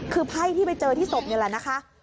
คือไพ่ที่ไปเจอที่ศพนี่แหละนะคะ